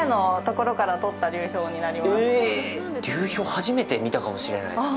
初めて見たかもしれないですね。